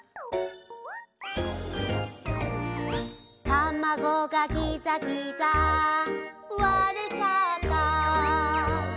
「たまごがギザギザ割れちゃった」